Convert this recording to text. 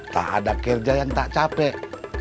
tak ada kerja yang tak capek